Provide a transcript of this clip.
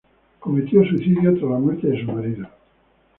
Cometió suicidio tras la muerte de su marido.